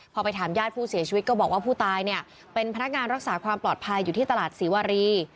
พอไปถามญาติผู้เสียชีวิตก็บอกว่าผู้ตายเนี่ยเป็นพนักงานรักษาความปลอดภัยอยู่ที่ตลาดศรีวารี